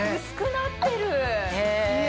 薄くなってる。